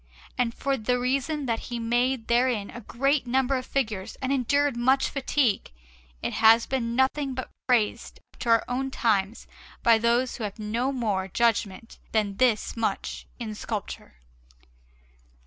And for the reason that he made therein a great number of figures and endured much fatigue, it has been nothing but praised up to our own times by those who have had no more judgment than this much in sculpture.